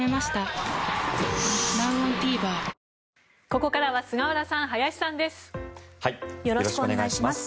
ここからは菅原さん、林さんです。